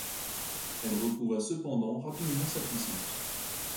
Elle retrouva cependant rapidement sa puissance.